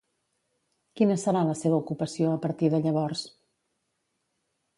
Quina serà la seva ocupació a partir de llavors?